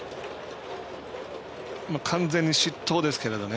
完全に失投ですけどね。